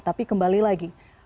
tapi kembali lagi